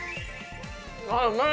「あっうまい！」